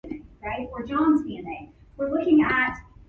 "Mongo like candy" and "Mongo only pawn in game of life.